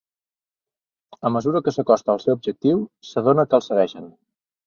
A mesura que s’acosta al seu objectiu, s’adona que el segueixen.